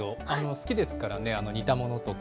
好きですからね、煮たものとか。